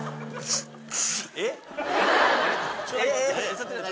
ちょっと待って。